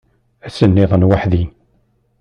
Ass-nniḍen weḥd-i.